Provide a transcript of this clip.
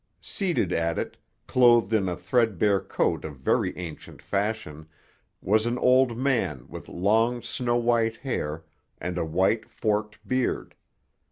Seated at it, clothed in a threadbare coat of very ancient fashion, was an old man with long, snow white hair and a white, forked beard.